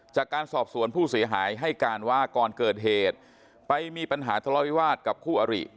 จากการสอบสวนผู้เสียหายให้การว่าก่อนเกิดเหตุไปมีปัญหาทะเลาวิวาสกับคู่อริ